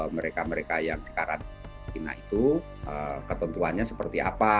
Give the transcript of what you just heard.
mereka mereka yang di karantina itu ketentuannya seperti apa